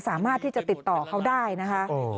สามารถที่จะติดต่อเขาได้นะคะ